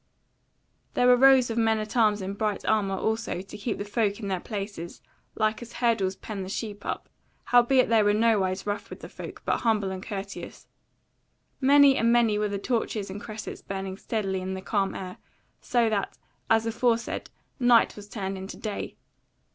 There were rows of men at arms in bright armour also to keep the folk in their places, like as hurdles pen the sheep up; howbeit they were nowise rough with folk, but humble and courteous. Many and many were the torches and cressets burning steadily in the calm air, so that, as aforesaid, night was turned into day.